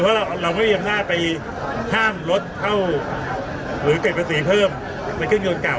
หรือว่าเรามีมนาธิกษ์ไปข้ามรถเข้าครบหรือเก็บภาษีเพิ่มในเครื่องยนต์เก่า